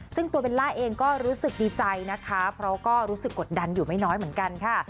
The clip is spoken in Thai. ซึ่งตัวเบลล่าเองก็รู้สึกดีใจนะคะเพราะก็รู้สึกกดดันอยู่ไม่น้อยเหมือนกันค่ะ